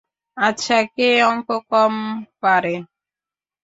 আচ্ছা, কে অংক কম পারে?